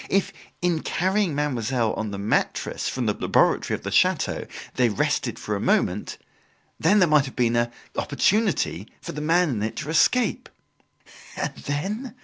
If, in carrying Mademoiselle on the mattress from the laboratory of the chateau, they rested for a moment, there might have been an opportunity for the man in it to escape. "And then?"